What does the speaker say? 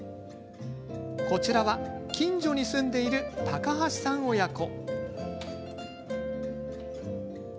こちらは、近所に住んでいる高橋さん親子。